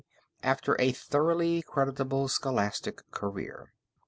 after a thoroughly creditable scholastic career.